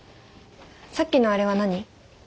さっきのあれは何？